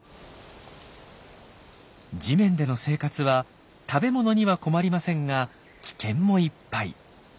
地面での生活は食べ物には困りませんが危険もいっぱい。